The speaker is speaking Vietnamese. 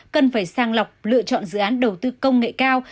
cần phải sang lọc lựa chọn dự án đầu tư công nghệ cao